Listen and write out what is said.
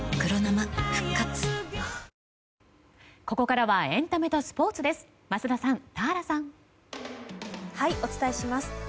ここからはエンタメとスポーツです。